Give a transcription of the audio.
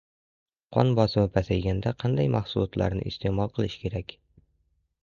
Qon bosimi pasayganda qanday mahsulotlarni iste’mol qilish kerak?